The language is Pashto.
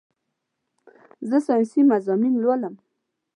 زه سائنسي مضامين لولم